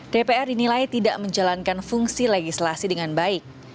dpr dinilai tidak menjalankan fungsi legislasi dengan baik